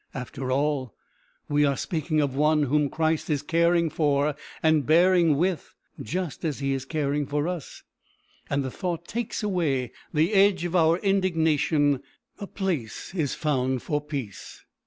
After all, we are speaking of one whom Christ is caring for and bearing with just as he is caring for us, and the thought takes away the edge of our indignation; a place is found for peace.